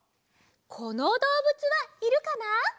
このどうぶつはいるかな？